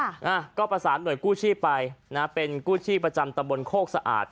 อ่าก็ประสานหน่วยกู้ชีพไปนะฮะเป็นกู้ชีพประจำตำบลโคกสะอาด